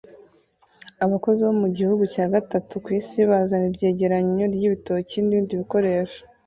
Abakozi bo mu gihugu cya gatatu ku isi bazana ibyegeranyo byibitoki nibindi bikoresho